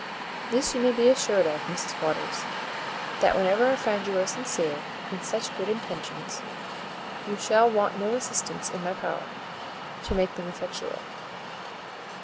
This you may be assured of, Mrs Waters, that whenever I find you are sincere in such good intentions, you shall want no assistance in my power to make them effectual."